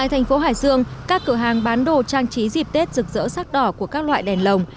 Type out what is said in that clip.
tại thành phố hải dương các cửa hàng bán đồ trang trí dịp tết rực rỡ sắc đỏ của các loại đèn lồng